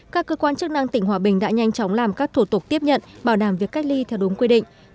các cơ quan chức năng tỉnh hòa bình đã nhanh chóng làm các thủ tục tiếp nhận bảo đảm việc cách ly theo đúng quy định